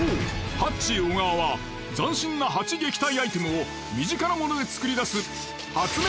ハッチー小川は斬新なハチ撃退アイテムを身近なもので作り出す発明